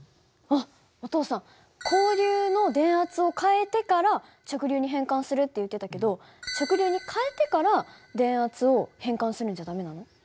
あっお父さん交流の電圧を変えてから直流に変換するって言ってたけど直流に変えてから電圧を変換するんじゃ駄目なの？